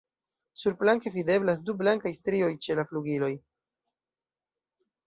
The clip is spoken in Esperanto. Surplanke videblas du blankaj strioj ĉe la flugiloj.